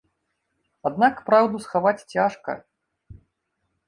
Аднак праўду схаваць цяжка.